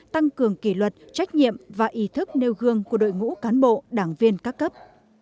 tăng cường kỷ luật trách nhiệm và ý thức nêu gương của đội ngũ cán bộ đảng viên các cấp